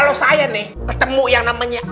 kalau saya nih ketemu yang namanya